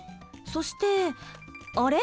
そしてあれ？